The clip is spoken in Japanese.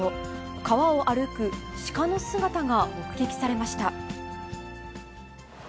川を歩く鹿の姿が目撃されました。